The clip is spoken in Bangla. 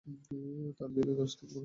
তারা ছিল দশ থেকে পনের হাজার।